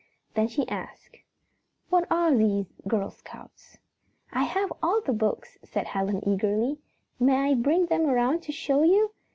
Then she asked, "What are these Girl Scouts?" "I have all the books," said Helen eagerly. "May I bring them around to show you?